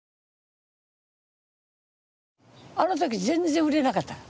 あの時全然売れなかった。